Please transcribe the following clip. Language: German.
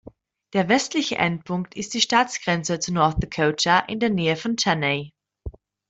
Der westliche Endpunkt ist die Staatsgrenze zu North Dakota in der Nähe von Tenney.